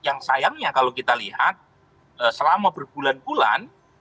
yang sayangnya kalau kita lihat selama berbulan bulan